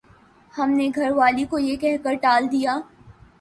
ہم نے گھر والی کو یہ کہہ کر ٹال دیا